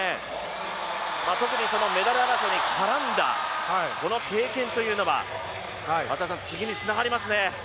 特にメダル争いに絡んだこの経験というのは次につながりますね。